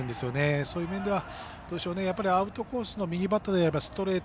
そういう面では、やっぱりアウトコースの右バッターでストレート